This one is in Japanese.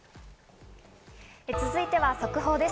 続いては速報です。